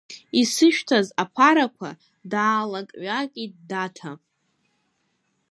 Исышәҭаз аԥарақәа, даалак-ҩакит Даҭа.